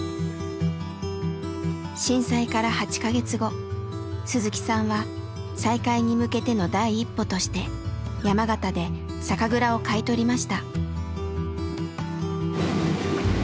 震災から８か月後鈴木さんは再開に向けての第一歩として山形で酒蔵を買い取りました。